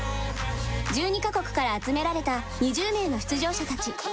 １２カ国から集められた２０名の出場者たち。